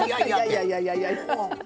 いやいやいやいや。